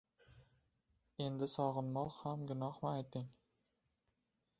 Endi sog‘inmoq ham gunohmi ayting